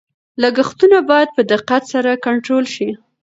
لګښتونه باید په دقت سره کنټرول شي.